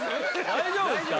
大丈夫っすか？